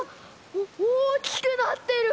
おおおきくなってる！